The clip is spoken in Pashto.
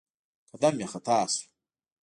قدم يې خطا شو.